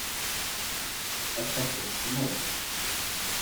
Ad tafeḍ tessneḍ-tt.